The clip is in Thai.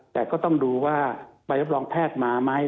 แต่ก็ต้องดูว่าบริษัทมาไหม